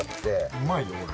うまいよこれ。